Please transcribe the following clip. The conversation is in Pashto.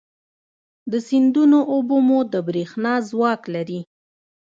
د سیندونو اوبه مو د برېښنا ځواک لري.